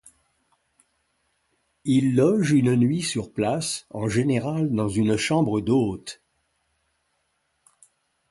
Ils logent une nuit sur place, en général dans une chambre d'hôtes.